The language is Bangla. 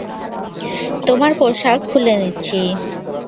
তোমার পোশাক খুলে নিচ্ছি।